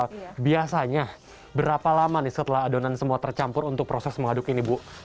nah biasanya berapa lama nih setelah adonan semua tercampur untuk proses mengaduk ini bu